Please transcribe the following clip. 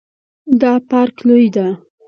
دا پارک لوی ده